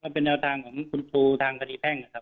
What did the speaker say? มันเป็นแนวทางของคุณฟูทางคดีแพ่ง